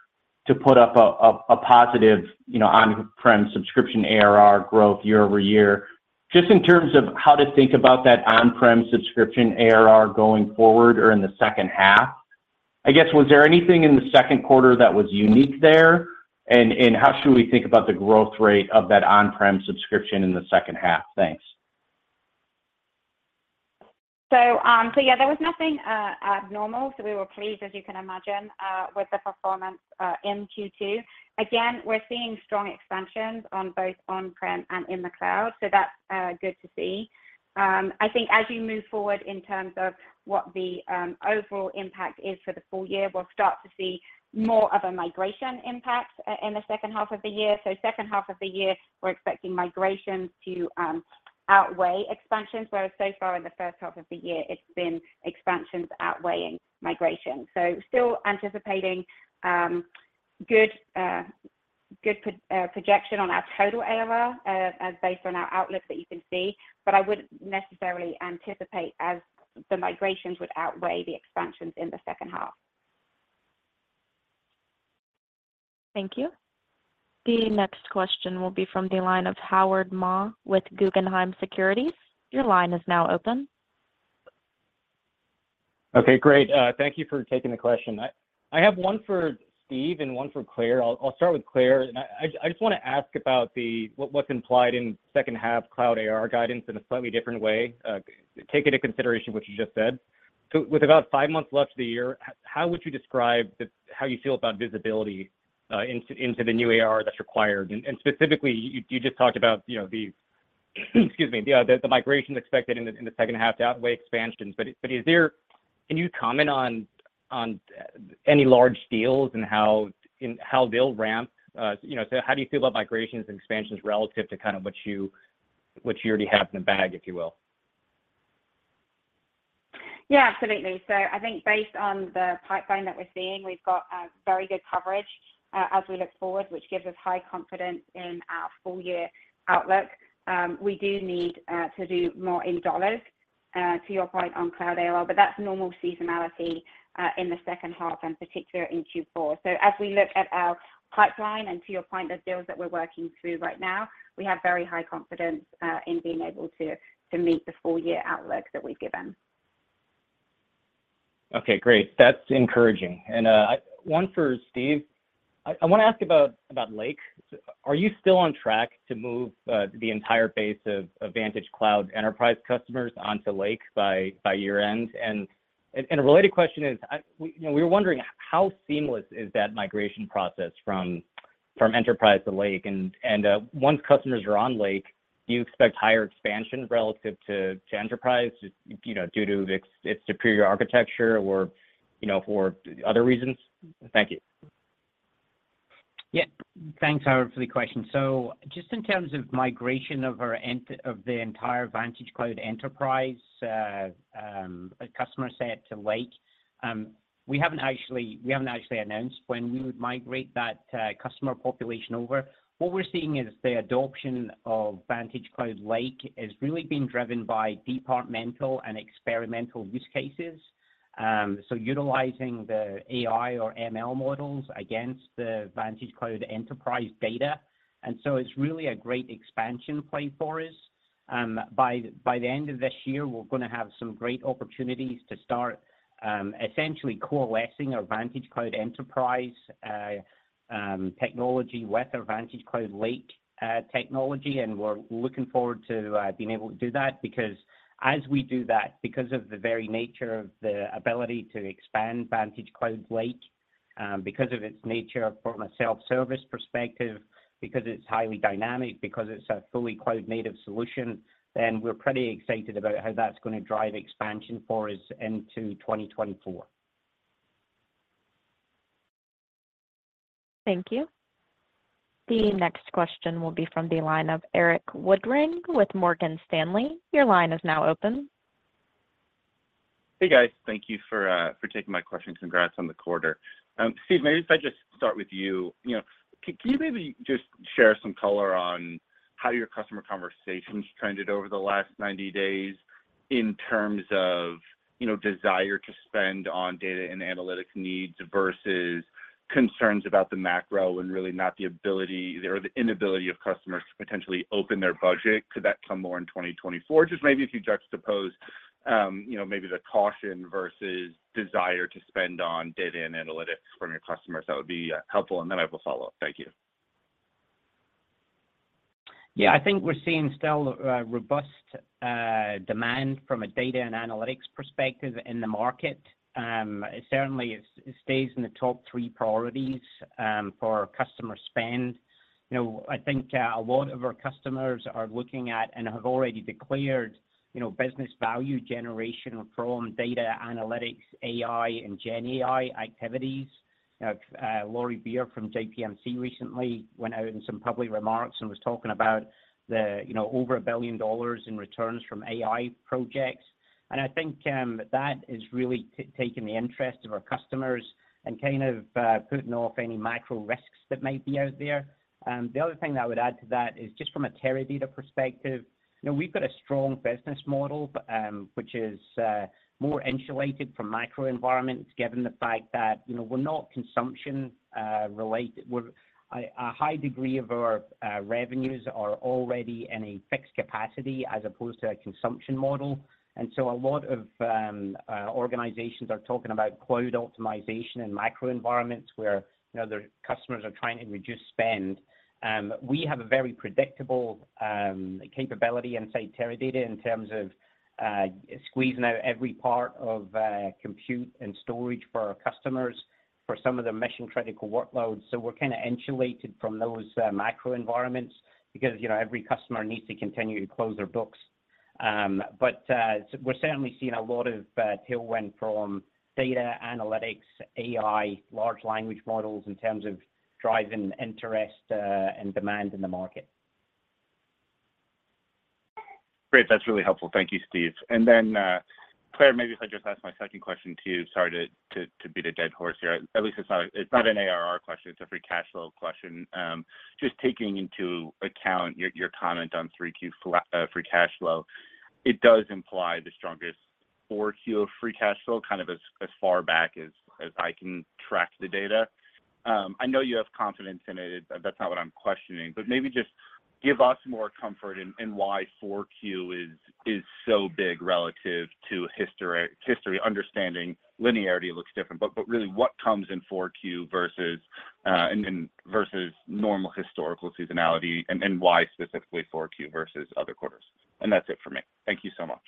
to put up a, a, a positive, you know, on-prem subscription ARR growth year-over-year. Just in terms of how to think about that on-prem subscription ARR going forward or in the second half, I guess, was there anything in the Q2 that was unique there? How should we think about the growth rate of that on-prem subscription in the second half? Thanks. Yeah, there was nothing abnormal. We were pleased, as you can imagine, with the performance in Q2. Again, we're seeing strong expansions on both on-prem and in the cloud, so that's good to see. I think as you move forward in terms of what the overall impact is for the full year, we'll start to see more of a migration impact in the second half of the year. Second half of the year, we're expecting migrations to outweigh expansions, whereas so far in the first half of the year, it's been expansions outweighing migration. Still anticipating good projection on our total ARR as based on our outlook that you can see, but I wouldn't necessarily anticipate as the migrations would outweigh the expansions in the second half. Thank you. The next question will be from the line of Howard Ma with Guggenheim Securities. Your line is now open. Okay, great. Thank you for taking the question. I, I have one for Steve McMillan and one for Claire Bramley. I'll, I'll start with Claire Bramley, and I, I just wanna ask about the... what, what's implied in second half cloud ARR guidance in a slightly different way, taking into consideration what you just said. With about 5 months left of the year, how, how would you describe the, how you feel about visibility into, into the new ARR that's required? Specifically, you, you just talked about, you know, the, the migration expected in the, in the second half to outweigh expansions. Can you comment on, on any large deals and how, and how they'll ramp? You know, how do you feel about migrations and expansions relative to kind of what you, what you already have in the bag, if you will? Absolutely. I think based on the pipeline that we're seeing, we've got a very good coverage, as we look forward, which gives us high confidence in our full year outlook. We do need to do more in dollars, to your point on cloud ARR. That's normal seasonality, in the second half, and particularly in Q4. As we look at our pipeline and to your point, the deals that we're working through right now, we have very high confidence, in being able to, to meet the full year outlook that we've given. Okay, great. That's encouraging. One for Steve. I wanna ask about Lake. Are you still on track to move the entire base of VantageCloud Enterprise customers onto Lake by year-end? A related question is, you know, we were wondering, how seamless is that migration process from Enterprise to Lake? Once customers are on Lake, do you expect higher expansion relative to Enterprise, you know, due to its superior architecture or, you know, for other reasons? Thank you. Yeah. Thanks, Howard, for the question. Just in terms of migration of our of the entire VantageCloud Enterprise customer set to Lake, we haven't actually, we haven't actually announced when we would migrate that customer population over. What we're seeing is the adoption of VantageCloud Lake is really being driven by departmental and experimental use cases. So utilizing the AI or ML models against the VantageCloud Enterprise data, and so it's really a great expansion play for us. By, by the end of this year, we're gonna have some great opportunities to start essentially coalescing our VantageCloud Enterprise technology with our VantageCloud Lake technology. We're looking forward to being able to do that because as we do that, because of the very nature of the ability to expand VantageCloud Lake, because of its nature from a self-service perspective, because it's highly dynamic, because it's a fully cloud native solution, then we're pretty excited about how that's gonna drive expansion for us into 2024. Thank you. The next question will be from the line of Erik Woodring with Morgan Stanley. Your line is now open. Hey, guys. Thank you for, for taking my question. Congrats on the quarter. Steve, maybe if I just start with you. You know, can you maybe just share some color on how your customer conversations trended over the last 90 days in terms of, you know, desire to spend on data and analytics needs versus concerns about the macro and really not the ability or the inability of customers to potentially open their budget? Could that come more in 2024? Just maybe if you juxtapose, you know, maybe the caution versus desire to spend on data and analytics from your customers, that would be helpful, and then I will follow up. Thank you. Yeah, I think we're seeing still robust demand from a data and analytics perspective in the market. It certainly, it, it stays in the top three priorities for customer spend. You know, I think a lot of our customers are looking at and have already declared, you know, business value generation from data analytics, AI, and GenAI activities. Lori Beer from JPMC recently went out in some public remarks and was talking about the, you know, over $1 billion in returns from AI projects. I think that is really taking the interest of our customers and kind of putting off any macro risks that might be out there. The other thing that I would add to that is just from a Teradata perspective, you know, we've got a strong business model, which is more insulated from macro environments, given the fact that, you know, we're not consumption related. A high degree of our revenues are already in a fixed capacity as opposed to a consumption model. A lot of organizations are talking about cloud optimization and macro environments, where, you know, their customers are trying to reduce spend. We have a very predictable capability inside Teradata in terms of squeezing out every part of compute and storage for our customers for some of their mission-critical workloads. We're kind of insulated from those macro environments because, you know, every customer needs to continue to close their books. We're certainly seeing a lot of tailwind from data analytics, AI, large language models in terms of driving interest, and demand in the market. Great. That's really helpful. Thank you, Steve. Claire, maybe if I just ask my second question to you. Sorry to, to, to beat a dead horse here. At least it's not, it's not an ARR question, it's a free cash flow question. Just taking into account your, your comment on 3Q free cash flow, it does imply the strongest 4Q of free cash flow, kind of as, as far back as, as I can track the data. I know you have confidence in it. That's not what I'm questioning. Maybe just give us more comfort in, in why 4Q is, is so big relative to history. Understanding linearity looks different, but, but really what comes in 4Q versus, and, and versus normal historical seasonality, and, and why specifically 4Q versus other quarters? That's it for me. Thank you so much.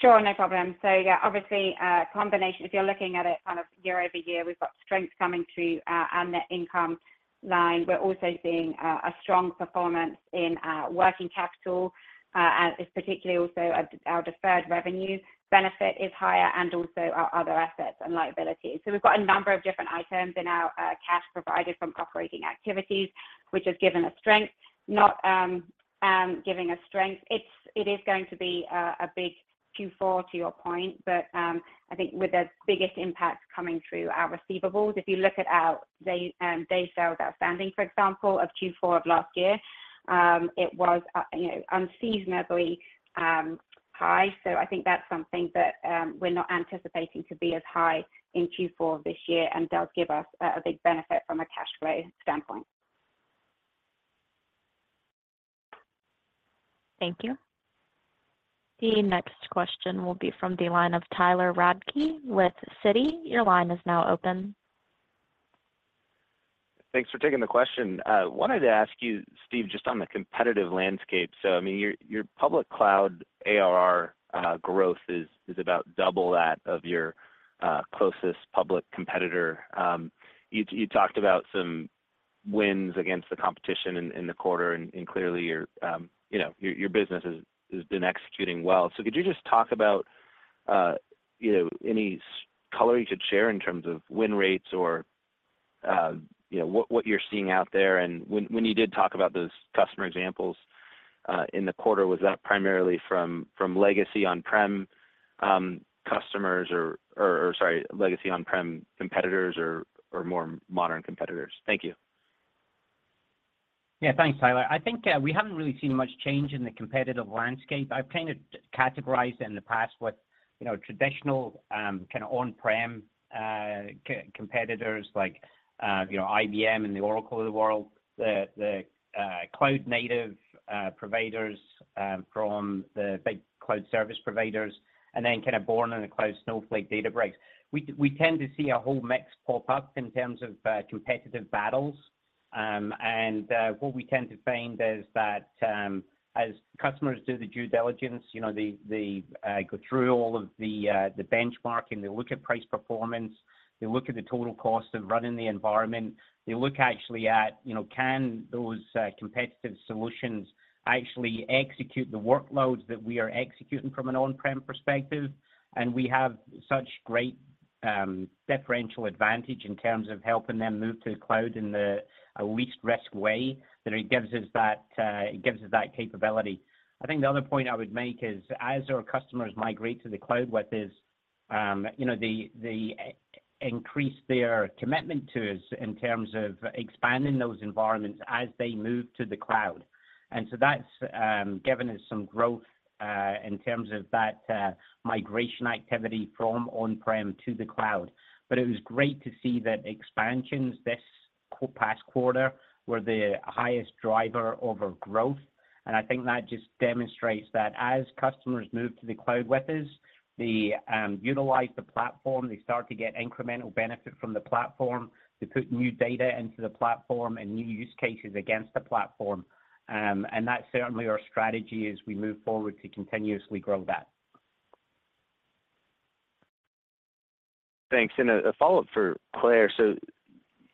Sure, no problem. Yeah, obviously, a combination. If you're looking at it kind of year-over-year, we've got strength coming through our, our net income line. We're also seeing a strong performance in our working capital, and particularly also our, our deferred revenues benefit is higher and also our other assets and liabilities. We've got a number of different items in our cash provided from operating activities, which has given us strength, not giving us strength. It is going to be a big Q4, to your point, but I think with the biggest impact coming through our receivables. If you look at our day, day sales outstanding, for example, of Q4 of last year, it was, you know, unseasonably high. I think that's something that, we're not anticipating to be as high in Q4 this year, and does give us a big benefit from a cash flow standpoint. Thank you. The next question will be from the line of Tyler Radke with Citi. Your line is now open. Thanks for taking the question. wanted to ask you, Steve, just on the competitive landscape. I mean, your, your public cloud ARR growth is, is about double that of your, closest public competitor. You, you talked about some wins against the competition in, in the quarter, and clearly your, you know, your, your business has, has been executing well. Could you just talk about, you know, any color you could share in terms of win rates or, you know, what, what you're seeing out there? When, when you did talk about those customer examples, in the quarter, was that primarily from, from legacy on-prem, customers or, or, or sorry, legacy on-prem competitors or, or more modern competitors? Thank you. Yeah, thanks, Tyler. I think we haven't really seen much change in the competitive landscape. I've kind of categorized in the past what, you know, traditional, kind of on-prem, competitors like, you know, IBM and the Oracle of the world, the cloud native providers from the big cloud service providers, and then kind of born in the cloud, Snowflake, Databricks. We tend to see a whole mix pop up in terms of competitive battles. What we tend to find is that as customers do the due diligence, you know, they go through all of the benchmarking, they look at price performance, they look at the total cost of running the environment. They look actually at, you know, can those competitive solutions actually execute the workloads that we are executing from an on-prem perspective? We have such great differential advantage in terms of helping them move to the cloud in the least risk way, that it gives us that, it gives us that capability. I think the other point I would make is, as our customers migrate to the cloud with us, you know, they, they increase their commitment to us in terms of expanding those environments as they move to the cloud. That's given us some growth in terms of that migration activity from on-prem to the cloud. It was great to see that expansions this past quarter were the highest driver over growth, and I think that just demonstrates that as customers move to the cloud with us, they utilize the platform, they start to get incremental benefit from the platform. They put new data into the platform and new use cases against the platform, and that's certainly our strategy as we move forward to continuously grow that. Thanks. A follow-up for Claire.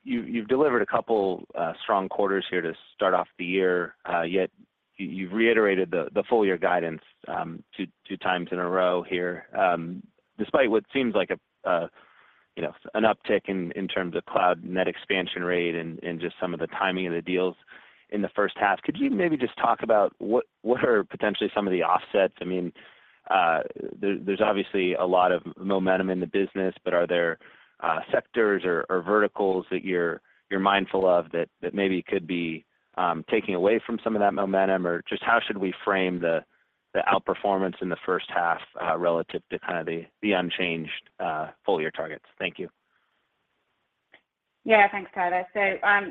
You've delivered 2 strong quarters here to start off the year, yet you've reiterated the full year guidance 2 times in a row here. Despite what seems like, you know, an uptick in terms of cloud net expansion rate and just some of the timing of the deals in the first half, could you maybe just talk about what are potentially some of the offsets? I mean, there's obviously a lot of momentum in the business, but are there sectors or verticals that you're mindful of that maybe could be taking away from some of that momentum? Just how should we frame the outperformance in the first half relative to kind of the unchanged full year targets? Thank you. Yeah, thanks, Tyler.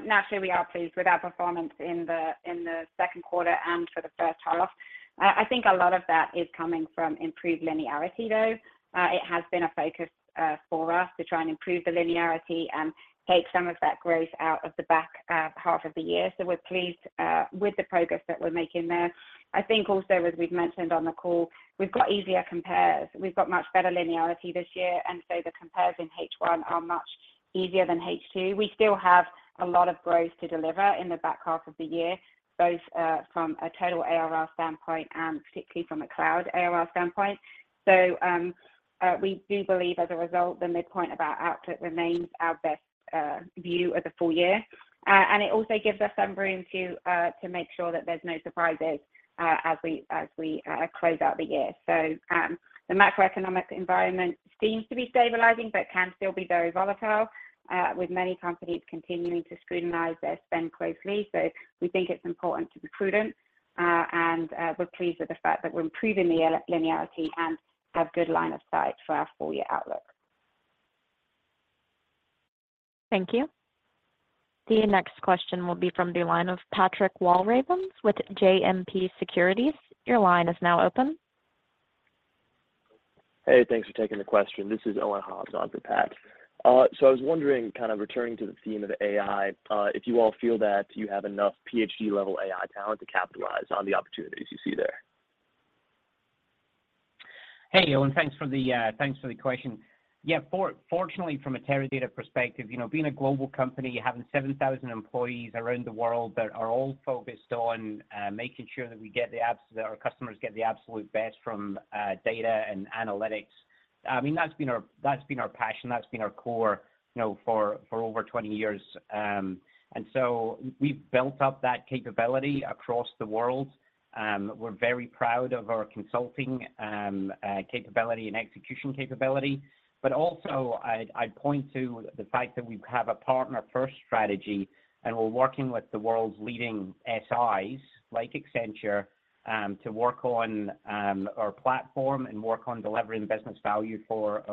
Naturally, we are pleased with our performance in the Q2 and for the first half. I think a lot of that is coming from improved linearity, though. It has been a focus for us to try and improve the linearity and take some of that growth out of the back half of the year. We're pleased with the progress that we're making there. I think also, as we've mentioned on the call, we've got easier compares. We've got much better linearity this year, the compares in H1 are much easier than H2. We still have a lot of growth to deliver in the back half of the year, both from a total ARR standpoint and particularly from a cloud ARR standpoint. We do believe as a result, the midpoint of our output remains our best view of the full year. And it also gives us some room to make sure that there's no surprises as we, as we close out the year. The macroeconomic environment seems to be stabilizing, but can still be very volatile with many companies continuing to scrutinize their spend closely. We think it's important to be prudent, and we're pleased with the fact that we're improving the linearity and have good line of sight for our full year outlook. Thank you. The next question will be from the line of Patrick Walravens with JMP Securities. Your line is now open. Hey, thanks for taking the question. This is Owen Haas on for Pat. I was wondering, kind of returning to the theme of AI, if you all feel that you have enough PhD level AI talent to capitalize on the opportunities you see there? Hey, Owen, thanks for the, thanks for the question. Yeah, fortunately, from a Teradata perspective, you know, being a global company, having 7,000 employees around the world that are all focused on, making sure that we get the that our customers get the absolute best from, data and analytics, I mean, that's been our, that's been our passion, that's been our core, you know, for, for over 20 years. So we've built up that capability across the world, and we're very proud of our consulting, capability and execution capability. Also I'd, I'd point to the fact that we have a partner first strategy, and we're working with the world's leading SIs, like Accenture, to work on, our platform and work on delivering business value for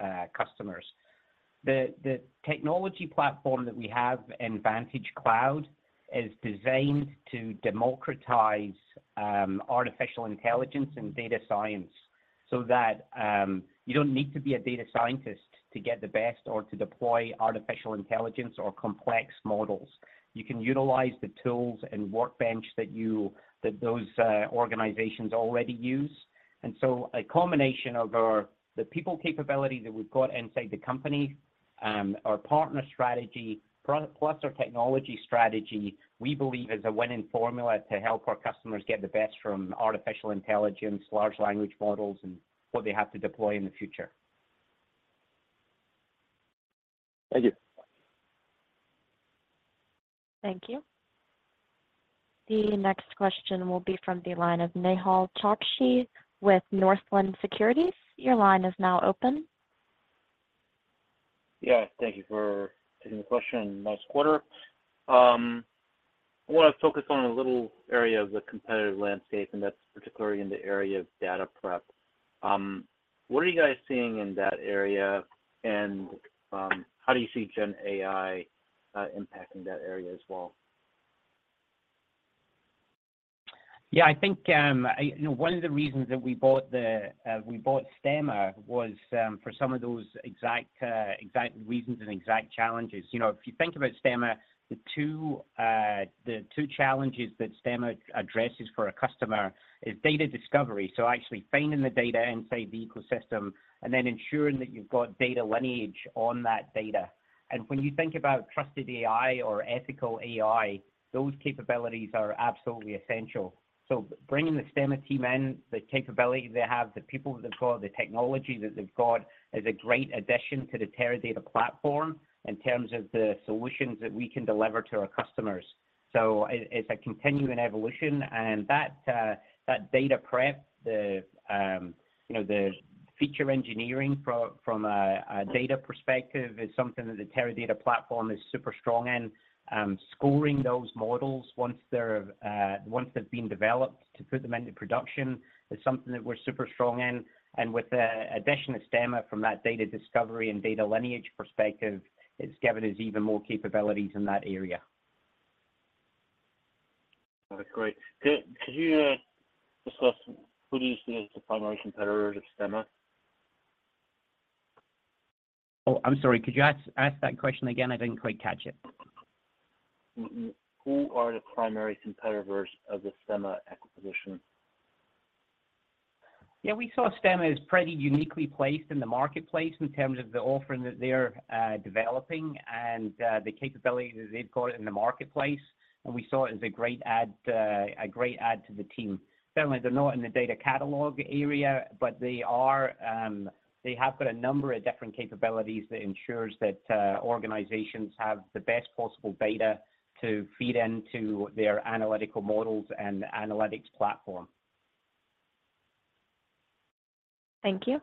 our, customers. The technology platform that we have in VantageCloud is designed to democratize artificial intelligence and data science so that you don't need to be a data scientist to get the best or to deploy artificial intelligence or complex models. You can utilize the tools and workbench that you that those organizations already use. So a combination of our the people capability that we've got inside the company, our partner strategy, plus our technology strategy, we believe is a winning formula to help our customers get the best from artificial intelligence, large language models, and what they have to deploy in the future. Thank you. Thank you. The next question will be from the line of Nehal Chokshi with Northland Securities. Your line is now open. Yeah, thank you for taking the question. Nice quarter. I want to focus on a little area of the competitive landscape, and that's particularly in the area of data prep. What are you guys seeing in that area, and how do you see GenAI impacting that area as well? Yeah, I think, you know, one of the reasons that we bought the, we bought Stemma was for some of those exact, exact reasons and exact challenges. You know, if you think about Stemma, the two, the two challenges that Stemma addresses for a customer is data discovery, so actually finding the data inside the ecosystem and then ensuring that you've got data lineage on that data. When you think about trusted AI or ethical AI, those capabilities are absolutely essential. Bringing the Stemma team in, the capability they have, the people that they've got, the technology that they've got, is a great addition to the Teradata platform in terms of the solutions that we can deliver to our customers. It's a continuing evolution, that data prep, the, you know, feature engineering from a data perspective is something that the Teradata platform is super strong in. Scoring those models once they're once they've been developed to put them into production, is something that we're super strong in. With the addition of Stemma from that data discovery and data lineage perspective, it's given us even more capabilities in that area. That's great. Could, could you discuss who do you see as the primary competitors of Stemma? Oh, I'm sorry. Could you ask, ask that question again? I didn't quite catch it. Who are the primary competitors of the Stemma acquisition?... Yeah, we saw Stemma as pretty uniquely placed in the marketplace in terms of the offering that they're developing and the capabilities that they've got in the marketplace. We saw it as a great add, a great add to the team. Certainly, they're not in the data catalog area, but they are, they have got a number of different capabilities that ensures that organizations have the best possible data to feed into their analytical models and analytics platform. Thank you.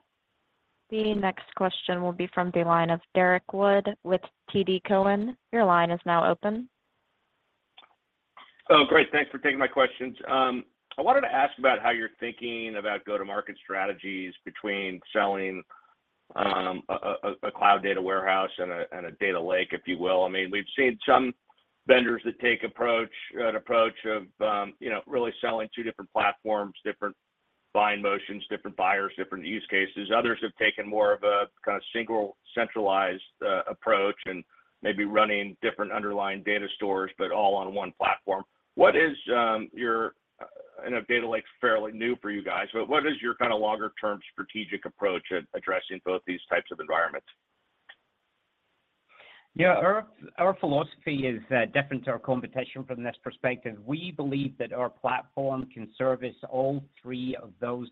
The next question will be from the line of Derek Wood with TD Cowen. Your line is now open. Oh, great. Thanks for taking my questions. I wanted to ask about how you're thinking about go-to-market strategies between selling a cloud data warehouse and a data lake, if you will. I mean, we've seen some vendors that take an approach of, you know, really selling two different platforms, different buying motions, different buyers, different use cases. Others have taken more of a kind of single, centralized approach and maybe running different underlying data stores, but all on one platform. What is, your... I know data lake's fairly new for you guys, but what is your kind of longer term strategic approach at addressing both these types of environments? Yeah. Our, our philosophy is different to our competition from this perspective. We believe that our platform can service all three of those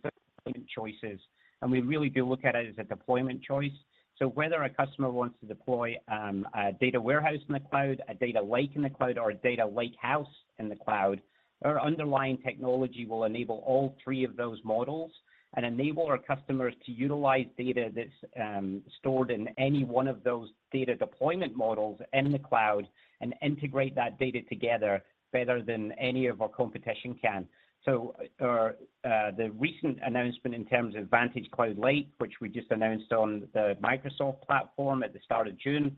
different choices, and we really do look at it as a deployment choice. So whether a customer wants to deploy a data warehouse in the cloud, a data lake in the cloud, or a data lakehouse in the cloud, our underlying technology will enable all three of those models and enable our customers to utilize data that's stored in any one of those data deployment models in the cloud and integrate that data together better than any of our competition can. The recent announcement in terms of VantageCloud Lake, which we just announced on the Microsoft platform at the start of June,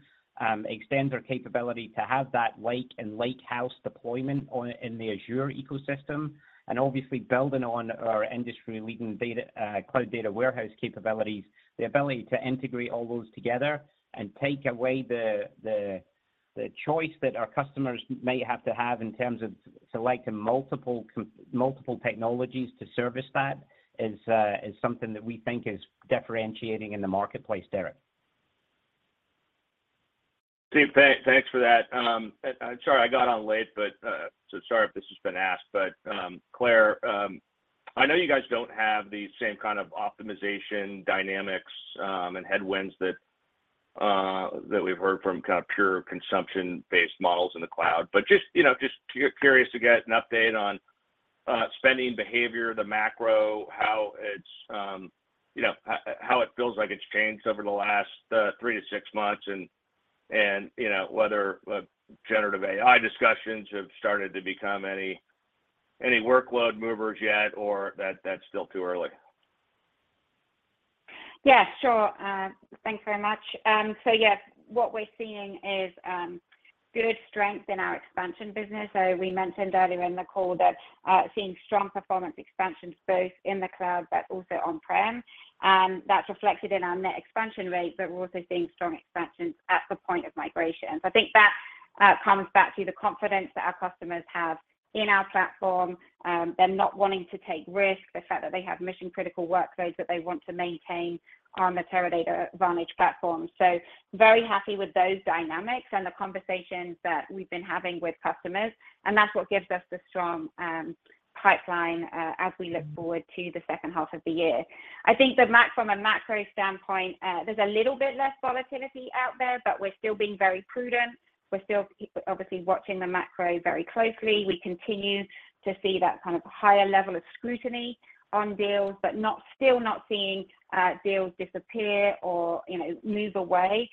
extends our capability to have that lake and lake house deployment on, in the Azure ecosystem, and obviously building on our industry-leading data, cloud data warehouse capabilities. The ability to integrate all those together and take away the choice that our customers may have to have in terms of selecting multiple technologies to service that is something that we think is differentiating in the marketplace, Derek. Steve, thanks for that. Sorry I got on late, but sorry if this has been asked. Claire, I know you guys don't have the same kind of optimization dynamics and headwinds that we've heard from kind of pure consumption-based models in the cloud. Just, you know, just curious to get an update on spending behavior, the macro, how it's, you know, how it feels like it's changed over the last three to six months, and, and, you know, whether generative AI discussions have started to become any, any workload movers yet, or that, that's still too early? Yeah, sure. Thanks very much. What we're seeing is good strength in our expansion business. We mentioned earlier in the call that seeing strong performance expansion both in the cloud but also on-prem, that's reflected in our net expansion rate, but we're also seeing strong expansions at the point of migration. I think that comes back to the confidence that our customers have in our platform, they're not wanting to take risks. The fact that they have mission-critical workloads that they want to maintain on the Teradata Vantage platform. Very happy with those dynamics and the conversations that we've been having with customers, and that's what gives us the strong pipeline as we look forward to the second half of the year. I think from a macro standpoint, there's a little bit less volatility out there, but we're still being very prudent. We're still obviously watching the macro very closely. We continue to see that kind of higher level of scrutiny on deals, but not, still not seeing, deals disappear or, you know, move away,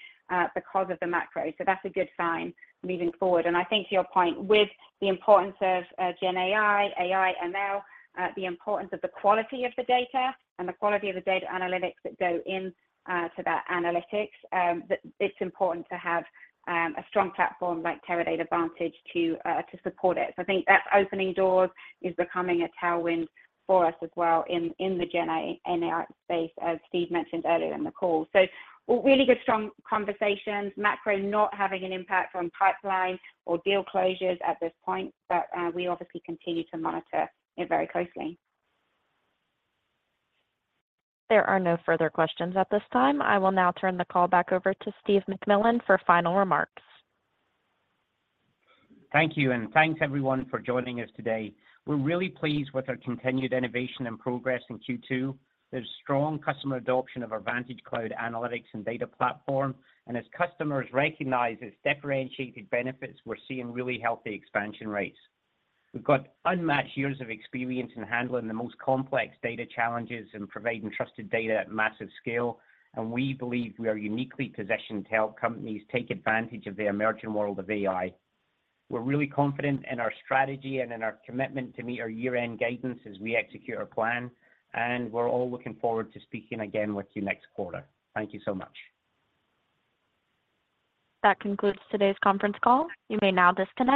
because of the macro. That's a good sign moving forward. I think to your point, with the importance of, GenAI, AI, ML, the importance of the quality of the data and the quality of the data analytics that go into, to that analytics, that it's important to have, a strong platform like Teradata Vantage to, to support it. I think that's opening doors is becoming a tailwind for us as well in, in the GenAI and AI space, as Steve mentioned earlier in the call. Really good, strong conversations. Macro not having an impact on pipeline or deal closures at this point, but, we obviously continue to monitor it very closely. There are no further questions at this time. I will now turn the call back over to Steve McMillan for final remarks. Thank you. Thanks, everyone, for joining us today. We're really pleased with our continued innovation and progress in Q2. There's strong customer adoption of our VantageCloud Analytics and Data Platform. As customers recognize its differentiated benefits, we're seeing really healthy expansion rates. We've got unmatched years of experience in handling the most complex data challenges and providing trusted data at massive scale. We believe we are uniquely positioned to help companies take advantage of the emerging world of AI. We're really confident in our strategy and in our commitment to meet our year-end guidance as we execute our plan. We're all looking forward to speaking again with you next quarter. Thank you so much. That concludes today's conference call. You may now disconnect.